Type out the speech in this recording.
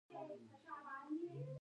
ته کوم ورزش کوې؟